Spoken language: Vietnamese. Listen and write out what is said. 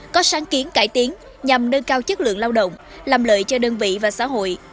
có sáng kiến cải tiến nhằm nâng cao chất lượng lao động làm lợi cho đơn vị và xã hội